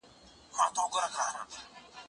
زه کولای سم وخت ونیسم،